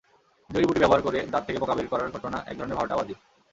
জড়িবুটি ব্যবহার করে দাঁত থেকে পোকা বের করার ঘটনা একধরনের ভাঁওতাবাজি।